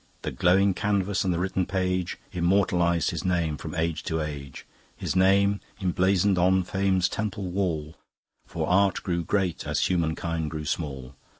The glowing canvas and the written page Immortaliz'd his name from age to age, His name emblazon'd on Fame's temple wall; For Art grew great as Humankind grew small.